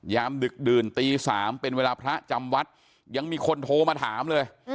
มดึกดื่นตี๓เป็นเวลาพระจำวัดยังมีคนโทรมาถามเลย